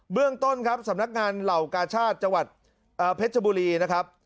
เรื่องต้นครับสำนักงานเหล่ากาชาติจังหวัดเพชรบุรีนะครับ